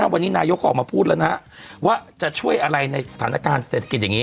ว่าจะช่วยอะไรในสถานการณ์เศรษฐกิจอย่างนี้